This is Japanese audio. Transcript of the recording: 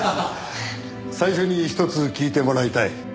最初にひとつ聞いてもらいたい。